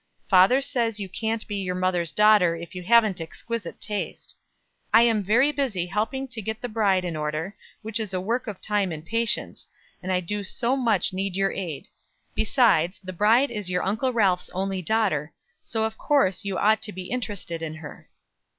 Father says you can't be your mother's daughter if you haven't exquisite taste. I am very busy helping to get the bride in order, which is a work of time and patience; and I do so much need your aid; besides, the bride is your Uncle Ralph's only daughter, so of course you ought to be interested in her.